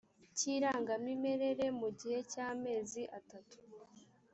cy irangamimerere mu gihe cy amezi atatu